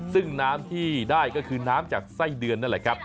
ซึ่งน้ำที่ได้ก็คือน้ำจากไส้เดือนนั่นแหละครับ